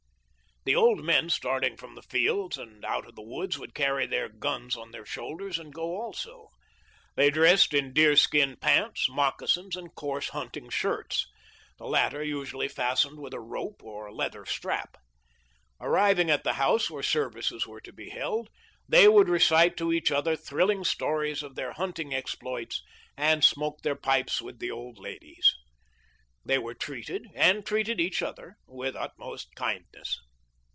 The old men starting from the fields and out of the woods would carry their guns on their shoulders and go also. They dressed in deer skin pants, moc casins, and coarse hunting shirts — the latter usually fastened with a rope or leather strap. Arriving at the house where services were to be held they would recite to each other thrilling stories of their hunting exploits, and smoke their pipes with the old ladies. They were treated, and treated each other, with the utmost kindness.